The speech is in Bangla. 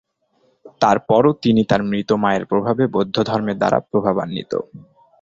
তারপরও তিনি তার মৃত মায়ের প্রভাবে বৌদ্ধধর্মের দ্বারা প্রভাবান্বিত।